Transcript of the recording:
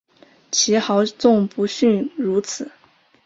其豪纵不逊如此。